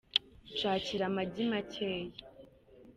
Nshakira amagi makeya